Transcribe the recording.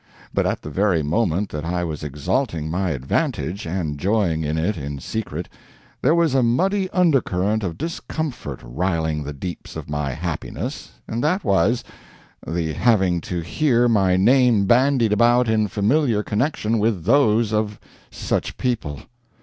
But at the very moment that I was exalting my advantage and joying in it in secret, there was a muddy undercurrent of discomfort "riling" the deeps of my happiness, and that was the having to hear my name bandied about in familiar connection with those of such people.